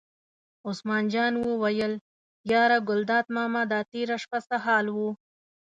عثمان جان وویل: یاره ګلداد ماما دا تېره شپه څه حال و.